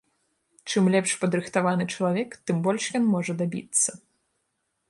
Чым лепш падрыхтаваны чалавек, тым больш ён можа дабіцца.